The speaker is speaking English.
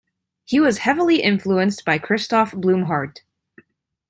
He was heavily influenced by Christoph Blumhardt.